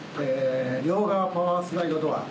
両側パワースライドドア。